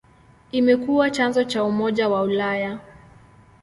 Imekuwa chanzo cha Umoja wa Ulaya.